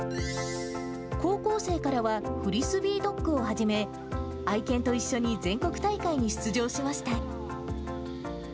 高校生からはフリスビードッグを始め、愛犬と一緒に全国大会に出場しました。